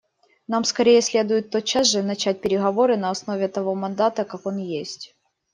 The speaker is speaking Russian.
Нам скорее следует тотчас же начать переговоры на основе того мандата как он есть.